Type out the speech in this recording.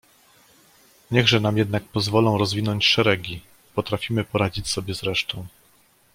"Niechże nam jednak pozwolą rozwinąć szeregi, potrafimy poradzić sobie z resztą!"